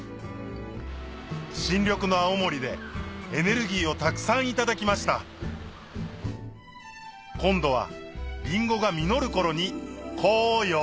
新緑の青森でエネルギーをたくさん頂きました今度はりんごが実る頃に来よう！